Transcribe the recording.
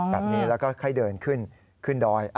แบบนี้แล้วก็ค่อยเดินขึ้นดอย